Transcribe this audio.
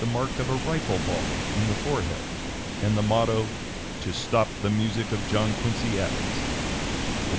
287) mark of a rifle ball in the forehead, and the motto "to stop the music of John Quincy Adams," etc.